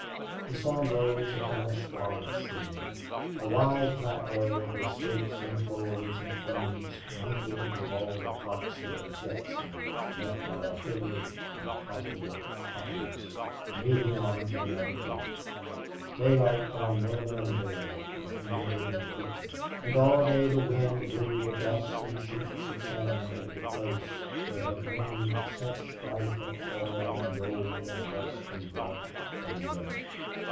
The sun rose upon a squalid scene a wide flat area where stakes and floors and frames mingled with all the flotsam and jetsam left by a hurried and profligate populace, moving on to another camp. Daylight found no man there nor any living creature. And all day the wind blew the dust and sheets of sand over the place where had reigned such strife of toil and gold and lust and blood and death.